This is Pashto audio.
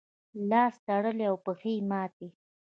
لاس تړلی او پښې ماتې.